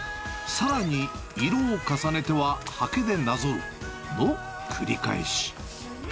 さらに、色を重ねてははけでなぞるの繰り返し。